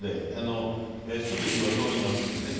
すぐ火は通りますんでね。